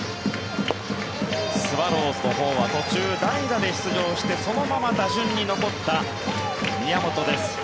スワローズのほうは途中、代打で出場してそのまま打順に残った宮本です。